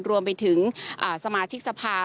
รวมไปถึงสมาชิกสภา